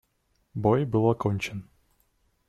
Бой был окончен.